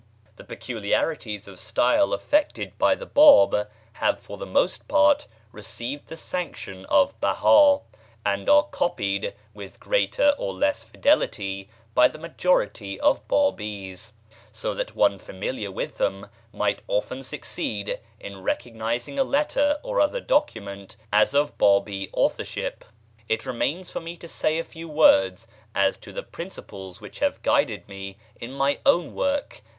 The peculiarities of style affected by the Báb have for the most part received the sanction of Behá, and are copied with greater or less fidelity by the majority of Bábís, so that one familiar with them might often succeed in recognizing a letter or other document as of Bábí authorship. It remains for me to say a few words as to the principles which have guided me in my own work, viz.